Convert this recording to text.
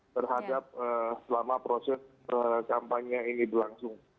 terhadap selama proses kampanye ini berlangsung